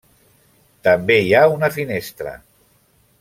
També hi ha una finestra.